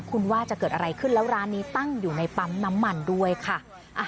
คุณว่าจะเกิดอะไรขึ้นแล้วร้านนี้ตั้งอยู่ในปั๊มน้ำมันด้วยค่ะ